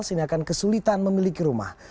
siniakan kesulitan memiliki rumah